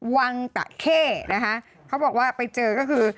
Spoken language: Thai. วังตะเข้นะคะเขาบอกว่าไปเจอก็คือ